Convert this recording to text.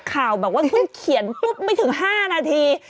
ข่าวแบบว่าเพิ่งเขียนปุ๊บไม่ถึง๕นาที